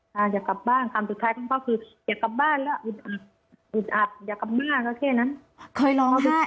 ค่ะอยากกลับบ้านคำสุดท้ายของเขาก็คืออยากกลับบ้านแล้วอึดอัดอยากกลับบ้านแค่นั้น